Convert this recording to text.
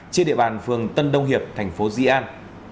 trên địa bàn phường tân đông hiệp thành phố di an